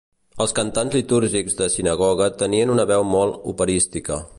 Els cantants litúrgics de sinagoga tenien una veu molt operística.